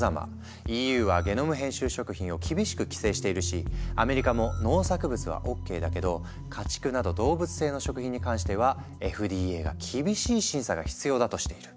ＥＵはゲノム編集食品を厳しく規制しているしアメリカも農作物はＯＫだけど家畜など動物性の食品に関してはＦＤＡが厳しい審査が必要だとしている。